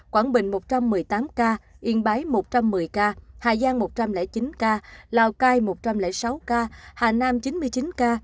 quảng bình một trăm một mươi tám ca yên bái một trăm một mươi ca hà giang một trăm linh chín ca lào cai một trăm linh sáu ca hà nam chín mươi chín ca